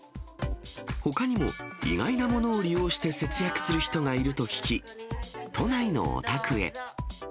ほかにも、意外なものを利用して節約する人がいると聞き、都内のお宅へ。